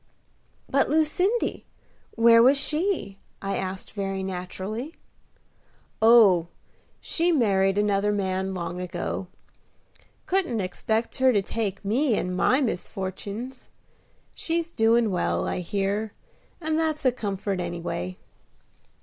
"But Lucindy, where was she?" I asked very naturally. "Oh! she married another man long ago. Couldn't expect her to take me and my misfortins. She's doin' well, I hear, and that's a comfort anyway."